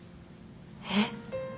えっ？